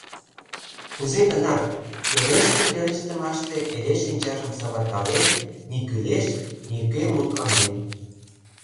Кузе-гынат, пелештым-пелештымаште эре шинчажым савыркален, ни кӱлеш, ни уке мутланен.